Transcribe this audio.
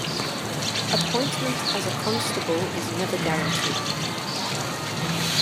Appointment as a Constable is never guaranteed.